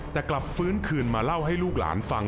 แต่กลับฟื้นคืนมาเล่าให้ลูกหลานฟัง